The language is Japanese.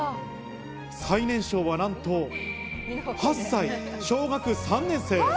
最年少はなんと８歳、小学３年生。